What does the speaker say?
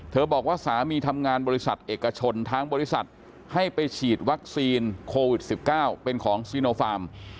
บอกว่าสามีทำงานบริษัทเอกชนทางบริษัทให้ไปฉีดวัคซีนโควิด๑๙เป็นของซีโนฟาร์ม